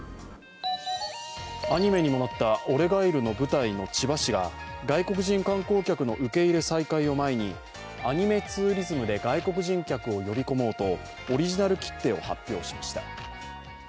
アニメにもなった「俺ガイル」の舞台の千葉市が外国人観光客の受け入れ再開を前にアニメツーリズムで外国人客を呼び込もうとオリジナル切手を発表しました。